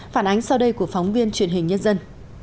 phản ánh sau đây của phóng viên truyền hình nhân dân